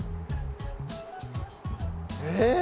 えっ！？